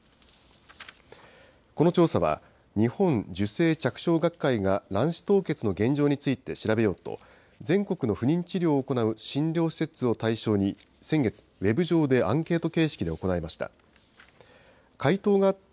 この調査は、日本受精着床学会が卵子凍結の現状について調べようと、全国の不妊治療を行う診療施設を対象に、先月、ウェブ上でアンケート形式で行いました。